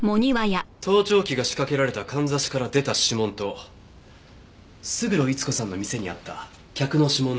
盗聴器が仕掛けられた簪から出た指紋と勝呂伊津子さんの店にあった客の指紋の１つが一致した。